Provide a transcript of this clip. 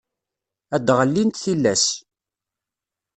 ad d-ɣellint tillas.